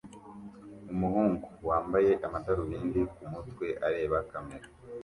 Umuhungu wambaye amadarubindi ku mutwe areba kamera